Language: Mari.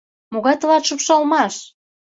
Могай тылат шупшалмаш?